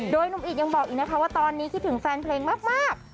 โดยหนุ่มอิตยังบอกอีกนะคะว่าตอนนี้คิดถึงแฟนเพลงมาก